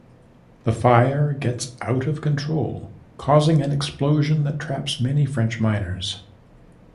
The fire gets out of control, causing an explosion that traps many French miners.